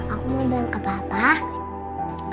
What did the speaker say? aku mau bilang ke bapak